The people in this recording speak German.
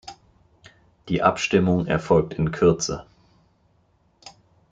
Die Abstimmung erfolgt in Kürze.